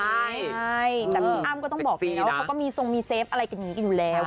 ใช่แต่พี่อ้ามก็ต้องบอกเนี่ยวว่าเขาก็มีทรงมีเซฟอะไรกันอยู่แล้ว